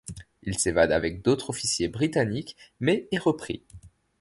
Il s'évade avec d'autres officiers britanniques, mais est repris.